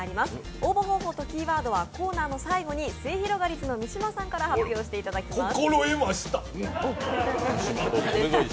応募方法とキーワードはコーナーの最後にすゑひろがりずの三島さんから発表していただきます。